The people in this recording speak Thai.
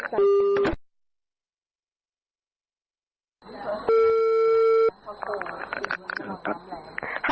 ฮัลโหลครับ